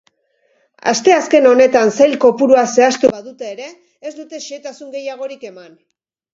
Asteazken honetan sail kopurua zehaztu badute ere, ez dute xehetasun gehiagorik eman.